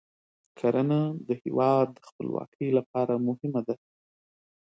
کرنه د هیواد د خپلواکۍ لپاره مهمه ده.